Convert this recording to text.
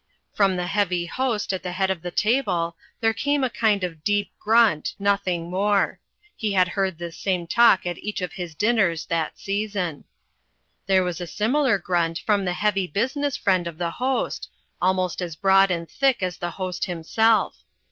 From the Heavy Host at the head of the table there came a kind of deep grunt, nothing more. He had heard this same talk at each of his dinners that season. There was a similar grunt from the Heavy Business Friend of the Host, almost as broad and thick as the Host himself.